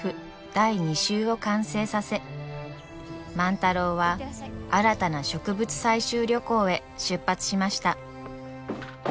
第２集を完成させ万太郎は新たな植物採集旅行へ出発しました。